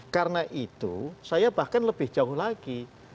karena itu saya bahkan lebih jauh lagi